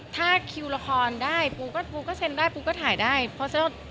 ถ้าคิวละครได้ปูก็ปูก็เซ็นได้ปูก็ถ่ายได้เพราะฉะนั้น